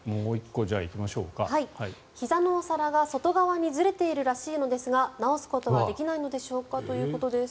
ひざのお皿が外側にずれているらしいんですが治すことはできないのでしょうかということです。